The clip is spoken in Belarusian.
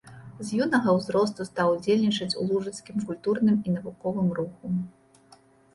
З юнага ўзросту стаў удзельнічаць у лужыцкім культурным і навуковым руху.